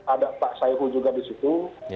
ada pak sayu juga disitu